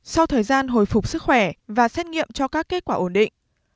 sau thời gian hồi phục sức khỏe và xét nghiệm cho các kết quả ổn định